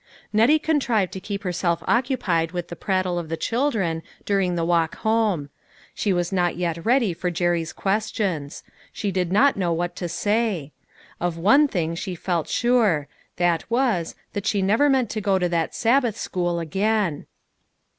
Nettie contrived to keep herself occupied with the prattle of the children during the walk home. She was not yet ready for Jerry's ques tions. She did not know what to say. Of one thing she felt sure ; that was, that she never meant to go to that Sabbath school again.